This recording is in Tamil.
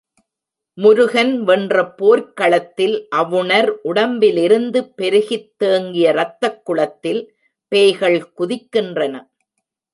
முருகன் வென்ற போர்க்களத்தில் அவுணர் உடம்பிலிருந்து பெருகித் தேங்கிய ரத்தக் குளத்தில் பேய்கள் குதிக்கின்றன.